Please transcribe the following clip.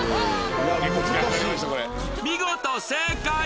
見事正解！